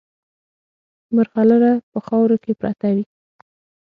مرغلره په خاورو کې پرته وي.